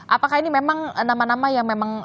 apakah ini memang nama nama yang memang